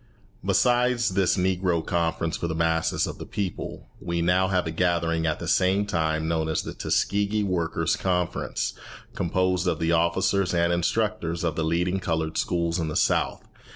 Besides this Negro Conference for the masses of the people, we now have a gathering at the same time known as the Tuskegee Workers' Conference, composed of the officers and instructors of the leading coloured schools in the South.